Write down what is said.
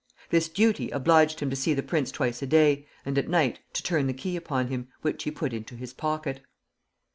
This duty obliged him to See the prince twice a day, and at night to turn the key upon him, which he put into his pocket.